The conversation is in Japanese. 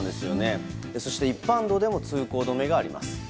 そして一般道でも通行止めがあります。